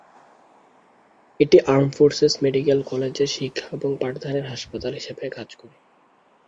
এটি armed forces medical কলেজের শিক্ষা ও পাঠদানের হাসপাতাল হিসাবে কাজ করে।